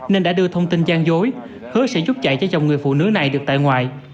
nên đã đưa thông tin gian dối hứa sẽ giúp chạy cho chồng người phụ nữ này được tại ngoại